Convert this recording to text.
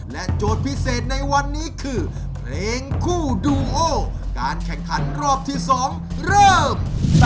โจทย์พิเศษในวันนี้คือเพลงคู่ดูโอการแข่งขันรอบที่๒เริ่ม